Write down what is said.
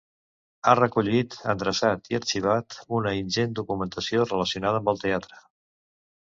Ha recollit, endreçat i arxivat una ingent documentació relacionada amb el teatre.